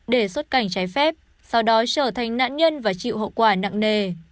để xuất cảnh trái phép sau đó trở thành nạn nhân và chịu hậu quả nặng nề